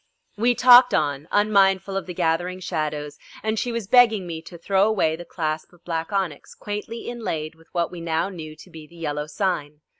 We talked on, unmindful of the gathering shadows, and she was begging me to throw away the clasp of black onyx quaintly inlaid with what we now knew to be the Yellow Sign.